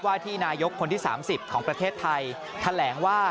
ที่นายกคนที่๓๐ของประเทศไทยแถลงว่า